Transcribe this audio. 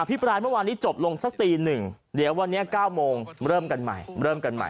อ่ะพี่ปลายวำวานนี้จบลงสักตีหนึ่งเดี๋ยววันนี้๙โมงเริ่มกันใหม่